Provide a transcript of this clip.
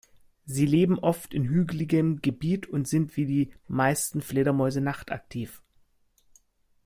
Sie leben oft in hügeligem Gebiet und sind wie die meisten Fledermäuse nachtaktiv.